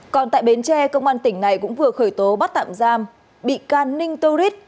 còn tại bến tre công an tỉnh này cũng vừa khởi tố bắt tạm giam bị can ninh turid